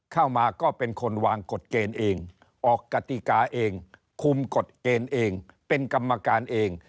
เข้ามาก็เป็นคนวางกฎเกณฑ์เองออกกติกาเองคุมกฎเกณฑ์เองเป็นกรรมการเอง